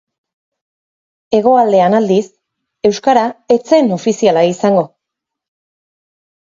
Hegoaldean aldiz, euskara ez zen ofiziala izango.